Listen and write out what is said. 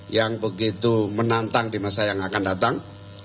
yang begitu menantang di masa yang akan datang